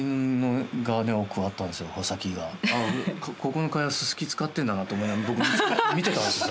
ここの茅はススキを使ってんだなと思いながら僕見てたんですよ。